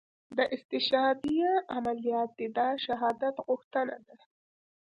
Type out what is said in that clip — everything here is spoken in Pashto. دا استشهاديه عمليات دي دا شهادت غوښتنه ده.